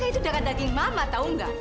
andre itu darah daging mama tahu nggak